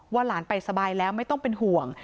หลานไปสบายแล้วไม่ต้องเป็นห่วง